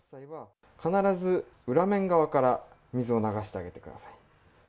必ず裏面側から水を流してあげてください。